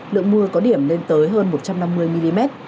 lượng mưa có điểm lên tới hơn một trăm năm mươi mm